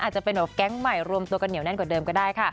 จะเป็นแบบแก๊งใหม่รวมตัวกันเหนียวแน่นกว่าเดิมก็ได้ค่ะ